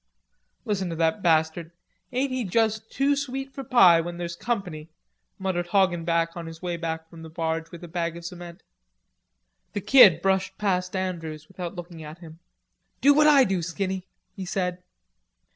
"Listen to that bastard, ain't he juss too sweet for pie when there's company?" muttered Hoggenback on his way from the barge with a bag of cement. The Kid brushed past Andrews without looking at him. "Do what I do, Skinny," he said.